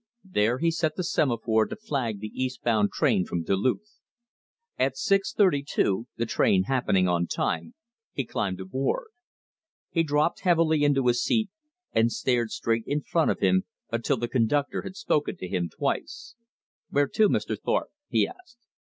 There he set the semaphore to flag the east bound train from Duluth. At six thirty two, the train happening on time, he climbed aboard. He dropped heavily into a seat and stared straight in front of him until the conductor had spoken to him twice. "Where to, Mr. Thorpe?" he asked.